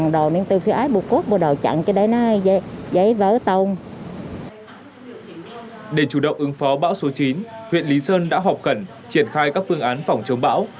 để chủ động ứng phó bão số chín huyện lý sơn đã họp khẩn triển khai các phương án phòng chống bão